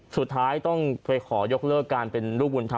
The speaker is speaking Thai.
สุดท้ายต้องไปขอยกเลิกการเป็นลูกบุญธรรม